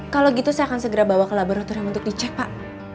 kalau gitu saya akan segera bawa ke laboratorium untuk dicek pak